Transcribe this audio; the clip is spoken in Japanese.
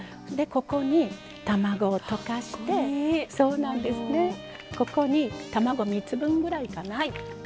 ここに、卵を溶かしてここに卵３つ分ぐらいかな。